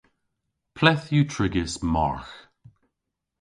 Ple�th yw trigys margh?